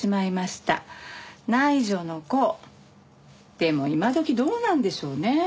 でも今どきどうなんでしょうね。